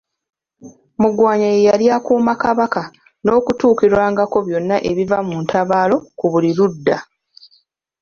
Mugwanya ye yasigala akuuma Kabaka, n'okutuukirwangako byonna ebiva mu ntabaalo ku buli ludda